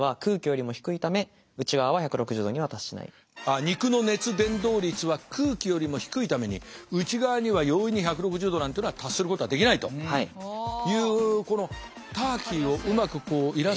あ肉の熱伝導率は空気よりも低いために内側には容易に１６０℃なんていうのは達することはできないというこのターキーをうまくイラストで。